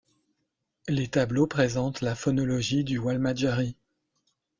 Les tableaux présentent la phonologie du walmajarri.